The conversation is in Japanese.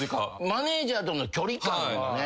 マネージャーとの距離感ね